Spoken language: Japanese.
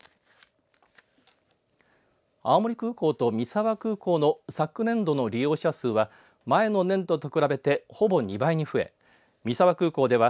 青森空港と三沢空港の昨年度の利用者数は前の年度と比べてほぼ２倍に増え、三沢空港では